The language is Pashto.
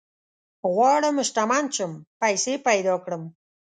غواړم شتمن شم ، پيسي پيدا کړم